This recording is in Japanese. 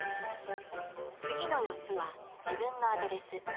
次の４つは自分のアドレス。